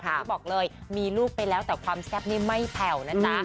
ที่บอกเลยมีลูกไปแล้วแต่ความแซ่บนี่ไม่แผ่วนะจ๊ะ